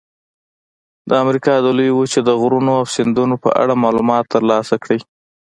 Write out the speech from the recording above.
د امریکا د لویې وچې د غرونو او سیندونو په اړه معلومات ترلاسه کړئ.